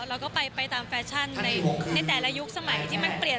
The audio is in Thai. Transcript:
เราก็ไปตามแฟชั่นในแต่ละยุคสมัยที่มันเปลี่ยน